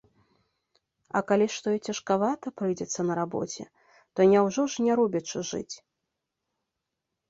А калі што і цяжкавата прыйдзецца на рабоце, то няўжо ж не робячы жыць?